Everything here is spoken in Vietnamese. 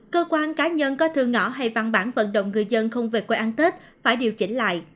cơ quan cá nhân có thư ngõ hay văn bản vận động người dân không về quê ăn tết phải điều chỉnh lại